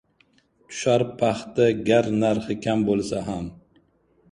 Tushar paxta gar narxi kam bo‘lsa ham.